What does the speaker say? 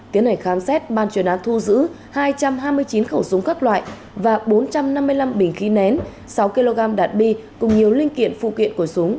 tiến hành khám xét ban chuyên án thu giữ hai trăm hai mươi chín khẩu súng các loại và bốn trăm năm mươi năm bình khí nén sáu kg đạn bi cùng nhiều linh kiện phụ kiện của súng